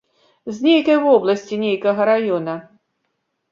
З нейкай вобласці, нейкага раёна.